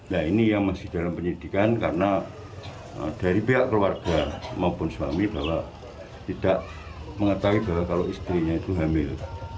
nah ini yang masih dalam penyidikan karena dari pihak keluarga maupun suami bahwa tidak mengetahui bahwa kalau istrinya itu hamil